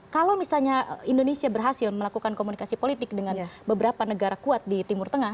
kalau misalnya indonesia berhasil melakukan komunikasi politik dengan beberapa negara kuat di timur tengah